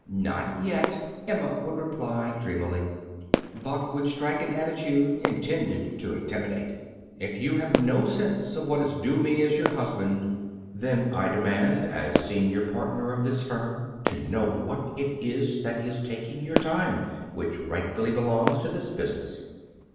"Not yet," Emma would reply dreamily. Buck would strike an attitude intended to intimidate. "If you have no sense of what is due me as your husband, then I demand, as senior partner of this firm, to know what it is that is taking your time, which rightfully belongs to this business."